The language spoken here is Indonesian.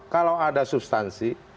kalau ada substansi